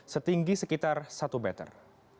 setinggi sekitar satu meter